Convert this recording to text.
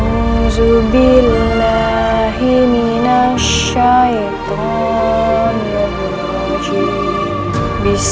aku berhutang dengan tuhan dari syaitan yang berburu